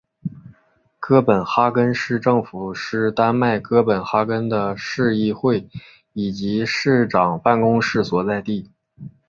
哥本哈根市政厅是丹麦哥本哈根的市议会以及市长办公室所在地。